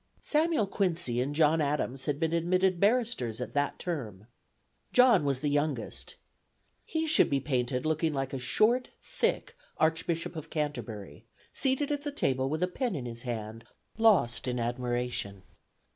... "Samuel Quincy and John Adams had been admitted barristers at that term. John was the youngest; he should be painted looking like a short, thick archbishop of Canterbury, seated at the table with a pen in his hand, lost in admiration.